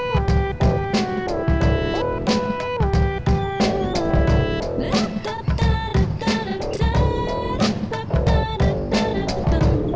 kenapa jadi kebilir